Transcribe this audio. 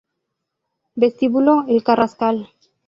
Vestíbulo El Carrascal